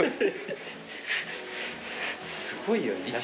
すごいよ。